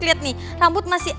lihat nih rambut masih